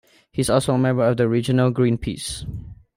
He is also a member of the regional Greenpeace.